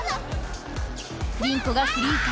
リンコがフリーか？